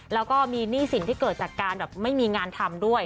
แล้วก็มีหนี้สินที่เกิดจากการแบบไม่มีงานทำด้วย